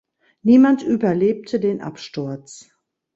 Niemand überlebte den Absturz.